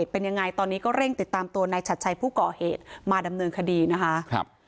เป็นยังไงตอนนี้ก็เร่งติดตามตัวนายชัดชัยผู้ก่อเหตุมาดำเนินคดีนะคะ